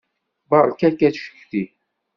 Beṛka-k acetki.